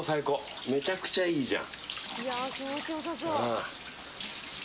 めちゃくちゃいいじゃん。